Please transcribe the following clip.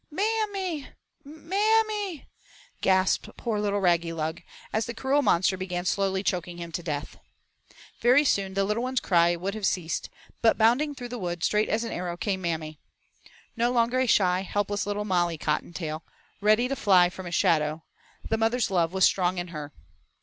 "Mam my Mam my," gasped poor little Raggylug as the cruel monster began slowly choking him to death. Very soon the little one's cry would have ceased, but bounding through the woods straight as an arrow came Mammy. No longer a shy, helpless little Molly Cottontail, ready to fly from a shadow: the mother's love was strong in her.